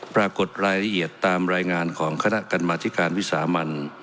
ปรากฏรายละเอียดตามรายงานของคณะกรรมธิการวิสามัน